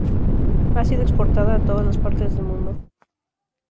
Ha sido exportada a todas las partes del mundo.